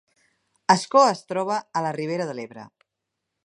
Ascó es troba a la Ribera d’Ebre